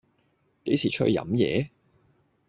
幾時出去飲野